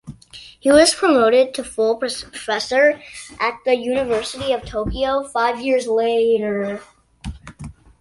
He was promoted to full professor at the University of Tokyo five years later.